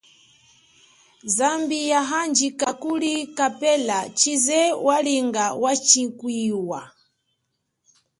Zambi ya handjika kuli kapela, chize walinga washingiwa.